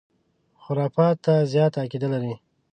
خُرافاتو ته زیاته عقیده لري.